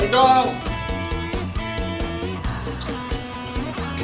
tidak berapa saja si bos